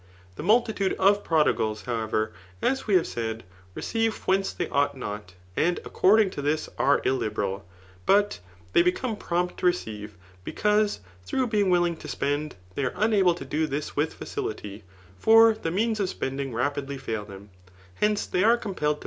The multitude of prodigids, however, as we have said, .receive whence they ought not, and according to this are ilUberaL Bufc Digitized by Google CHAT. U BTH10S« 121 Atf become prompt to recdre, because, through bfeng wiilmg to spend, they are uikable to do this with &cility ^ for the means of spending rapidly fail them. Hoice^ they are compelled to